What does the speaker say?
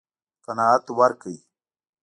قناعت ورکړ.